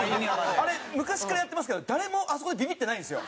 あれ昔からやってますけど誰もあそこでビビってないんですよ。